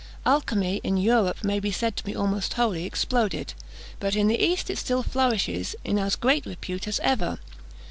Alchymy, in Europe, may be said to be almost wholly exploded; but in the East it still flourishes in as great repute as ever.